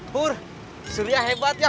pur surya hebat ya